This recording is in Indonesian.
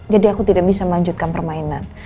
jadi aku tidak bisa melanjutkan permainan